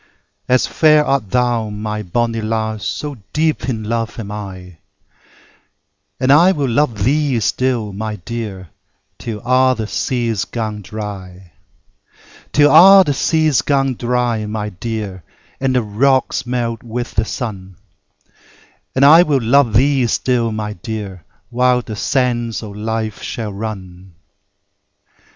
As fair thou art, my bonnie lass, So deep in love am I: And I will love thee still, my dear, Till a' the seas gang dry: Till a' the seas gang dry, my dear, And the rocks melt with the sun; I will luve thee still my dear, When the sands of life shall run.